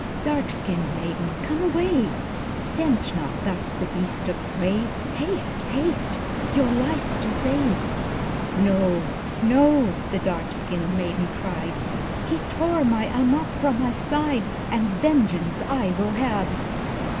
"Dark skinned maiden, come away, Tempt not thus the beast of prey, Haste, haste, your life to save." "No, no," the dark skinned maiden cried, "He tore my Ammap from my side, And vengeance I will have!"